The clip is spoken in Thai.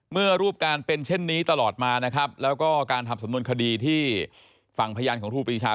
รูปการเป็นเช่นนี้ตลอดมานะครับแล้วก็การทำสำนวนคดีที่ฝั่งพยานของครูปรีชา